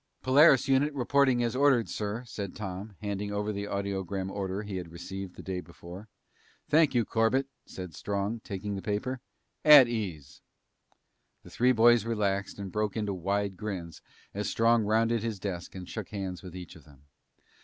"Polaris unit reporting as ordered, sir," said Tom, handing over the audiogram order he had received the day before. "Thank you, Corbett," said Strong, taking the paper. "At ease." The three boys relaxed and broke into wide grins as Strong rounded his desk and shook hands with each of them.